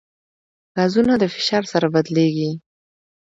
ګازونه د فشار سره بدلېږي.